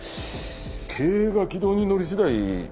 経営が軌道に乗りしだい